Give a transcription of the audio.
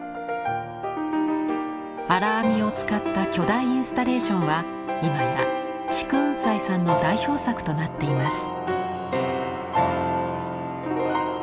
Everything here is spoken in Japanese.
「荒編み」を使った巨大インスタレーションは今や竹雲斎さんの代表作となっています。